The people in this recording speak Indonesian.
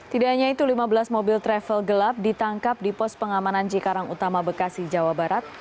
tidak hanya itu lima belas mobil travel gelap ditangkap di pos pengamanan cikarang utama bekasi jawa barat